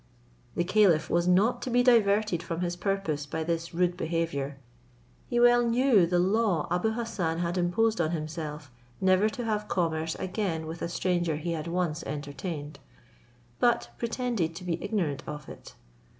The caliph was not to be diverted from his purpose by this rude behaviour. He well knew the law Abou Hassan had imposed on himself, never to have commerce again with a stranger he had once entertained; but pretended to be ignorant of it.